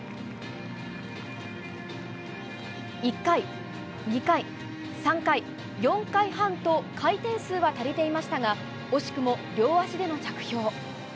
１回、２回、３回、４回半と回転数は足りていましたが惜しくも両足での着氷。